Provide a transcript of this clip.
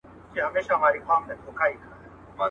پر پوست سکه نه وهل کېږي.